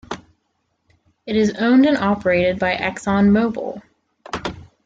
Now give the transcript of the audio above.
It is owned and operated by ExxonMobil.